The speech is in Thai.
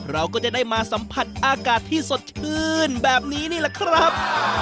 เราก็จะได้มาสัมผัสอากาศที่สดชื่นแบบนี้นี่แหละครับ